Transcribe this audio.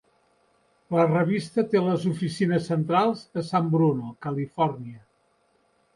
La revista té les oficines centrals a San Bruno, Califòrnia.